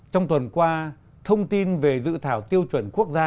trong tuần qua thông tin về dự thảo tiêu chuẩn quốc gia